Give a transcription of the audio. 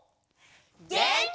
げんき！